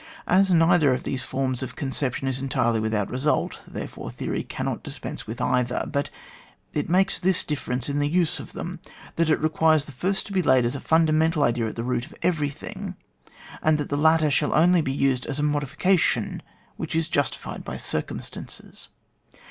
As neither of these forms of conception is entirely without result, therefore theory cannot dispense with either. But it makes this difference in the use of them, that it requires the first to be laid as a fundamental idea at the root of every thing, and that the latter shall only be used as a modification which is justi fied by circumstances.